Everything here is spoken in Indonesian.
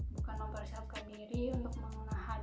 bukan mempersiapkan diri untuk menghadapi covid